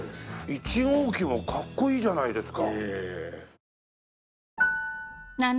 １号機もかっこいいじゃないですか！